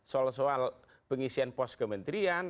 soal soal pengisian pos kementerian